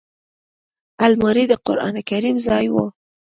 الماري د قران کریم ځای وي